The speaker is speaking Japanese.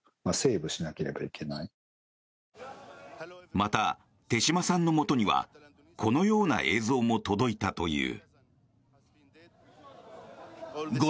また、手島さんのもとにはこのような映像も届いたという。